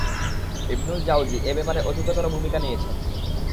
ইবনুল জাওযী এ ব্যাপারে অধিকতর ভূমিকা নিয়েছেন।